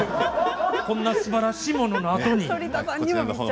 こんなすばらしいもののあとに。